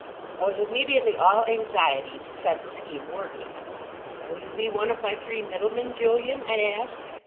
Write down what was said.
I was immediately all anxiety to set the scheme working. "Will you be one of my three middlemen, Julian?" I asked.